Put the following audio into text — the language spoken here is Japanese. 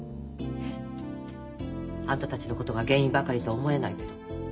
え！？あんたたちのことが原因ばかりとは思えないけど。